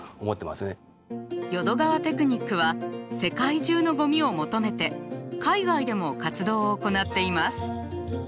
淀川テクニックは世界中のゴミを求めて海外でも活動を行っています。